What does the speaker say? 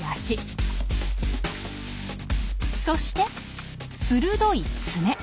そして鋭い爪！